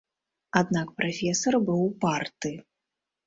Аднак прафесар быў упарты.